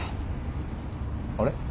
あれ？